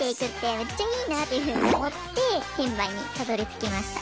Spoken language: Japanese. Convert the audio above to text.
めっちゃいいなっていうふうに思って転売にたどりつきました。